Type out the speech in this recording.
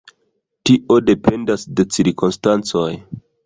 Tio dependas de cirkonstancoj.